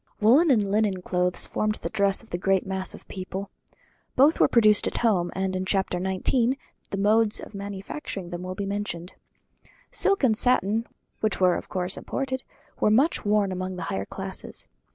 Woollen and linen clothes formed the dress of the great mass of the people. Both were produced at home; and in chapter xix. the modes of manufacturing them will be mentioned. Silk and satin, which were of course imported, were much worn among the higher classes.